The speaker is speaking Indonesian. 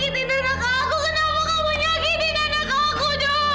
kamu pergi dari sini